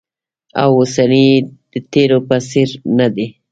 او اوسنی یې د تېر په څېر ندی